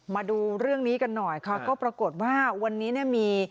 มาดูเรื่องนี้กันหน่อยค่ะก็ปรากฏว่าวันนี้เนี่ยมี